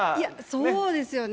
そうですよね。